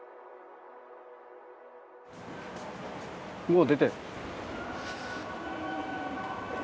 もう出てる。